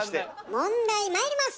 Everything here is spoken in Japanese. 問題まいります！